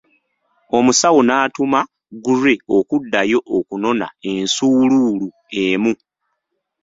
Omusawo n'atuma Gray okuddayo okunona ensuuluulu emu.